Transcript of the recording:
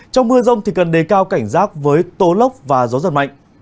trong mưa rông thì cần đề cao cảnh giác với tố lốc và gió giật mạnh